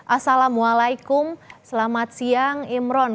assalamualaikum selamat siang imron